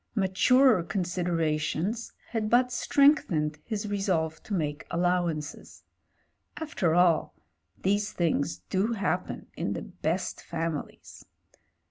Maturer considera tions had but strengthened his resolve to make allow ances. After all, these things do happen in the best families.